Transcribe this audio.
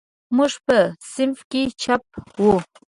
موږ په صنف کې چپ وو.